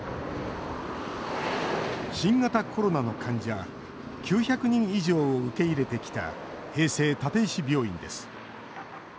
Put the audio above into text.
新型コロナの患者９００人以上を受け入れてきた平成立石病院です。